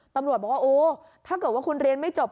ตำรวจบอกว่าโอ้ถ้าเกิดว่าคุณเรียนไม่จบ